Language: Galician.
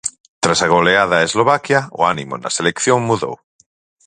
Tras a goleada a Eslovaquia, o ánimo na selección mudou.